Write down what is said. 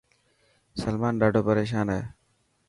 سلمان ڏاڌو پريشان هي.